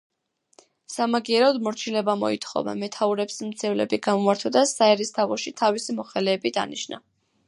სამაგიეროდ მორჩილება მოითხოვა, მეთაურებს მძევლები გამოართვა და საერისთავოში თავისი მოხელეები დანიშნა.